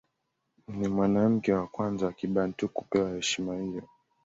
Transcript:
Ni mwanamke wa kwanza wa Kibantu kupewa heshima hiyo.